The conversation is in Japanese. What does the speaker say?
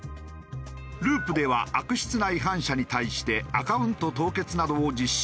Ｌｕｕｐでは悪質な違反者に対してアカウント凍結などを実施。